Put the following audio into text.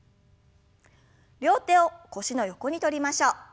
両手を腰の横にとりましょう。